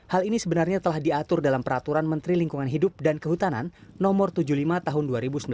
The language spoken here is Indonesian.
hal ini sebenarnya telah diatur dalam peraturan menteri lingkungan hidup dan kehutanan no tujuh puluh lima tahun dua ribu sembilan belas